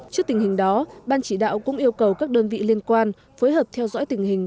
trước tình hình đó ban chỉ đạo cũng yêu cầu các đơn vị liên quan phối hợp theo dõi tình hình